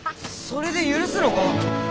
それで許すのか？